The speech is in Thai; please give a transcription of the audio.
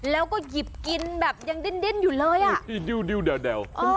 แล้วก็หยิบกินแบบยังดิ้นอยู่เลยอ่ะดิว